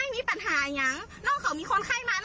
มีคนไข้ก่อนมีค่ะ